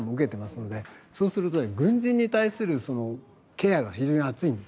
なので、軍人に対するケアが非常に厚い。